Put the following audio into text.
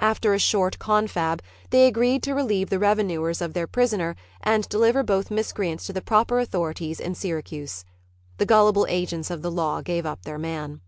After a short confab they agreed to relieve the revenuers of their prisoner and deliver both miscreants to the proper authorities in Syracuse. The gullible agents of the law gave up their man.